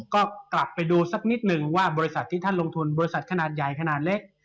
ก็กลับไปดูสักนิดนึงว่าบริษัทที่ท่านลงทุนบริษัทขนาดใหญ่ขนาดเล็ก